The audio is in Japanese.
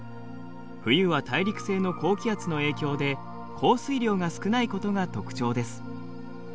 冬は大陸性の高気圧の影響で降水量が少ないことが特徴です。